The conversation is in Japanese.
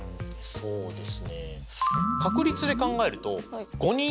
そうです！